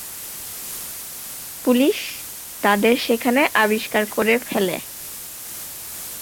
Police তাদের সেখানে আবিষ্কার করে ফেলে।